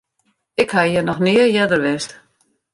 Ik ha hjir noch nea earder west.